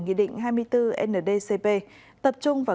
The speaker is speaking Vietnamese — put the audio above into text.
nghị định hai mươi bốn ndcp tập trung vào